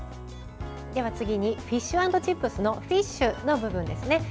次にフィッシュ＆チップスのフィッシュの部分ですね。